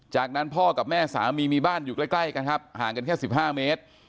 จากนั้นพ่อกับแม่สามีมีบ้านอยู่ใกล้กันครับห่างกันแค่๑๕เมตร